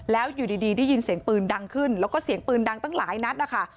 แล้วอยู่ดีได้ยินเสียงปืนดังขึ้นแล้วก็เสียงปืนดังตั้งหลายนัดนะคะ